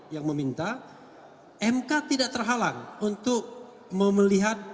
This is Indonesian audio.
yang meminta mk tidak terhalang untuk melihat